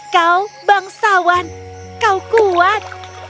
kau bangsawan kau kuat